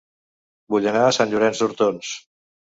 Vull anar a Sant Llorenç d'Hortons